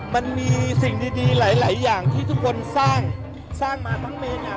มันมีสิ่งดีหลายหลายอย่างที่ทุกคนสร้างสร้างมาทั้งเมนเนี่ย